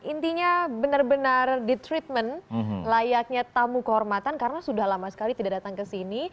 intinya benar benar di treatment layaknya tamu kehormatan karena sudah lama sekali tidak datang ke sini